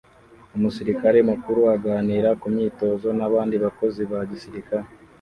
Umusirikare mukuru aganira ku myitozo n’abandi bakozi ba Gisirikare